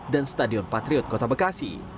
dan stadion patriot kota bekasi